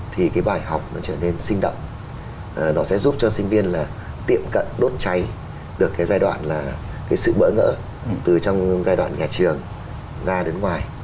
thì cái bài học nó trở nên sinh động nó sẽ giúp cho sinh viên là tiệm cận đốt cháy được cái giai đoạn là cái sự bỡ ngỡ từ trong giai đoạn nhà trường ra đến ngoài